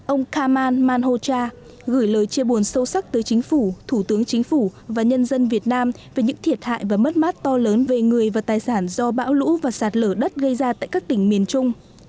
ông kaman manhocha gửi lời chia buồn sâu sắc tới chính phủ thủ tướng chính phủ và nhân dân việt nam về những thiệt hại và mất mát to lớn về người và tài sản do bão lũ và sạt lở đất gây ra tại các tỉnh miền trung